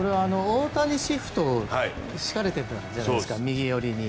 大谷シフトを敷かれているじゃないですか右寄りに。